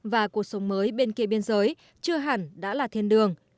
và cuộc sống mới bên kia biên giới chưa hẳn đã là thiên đường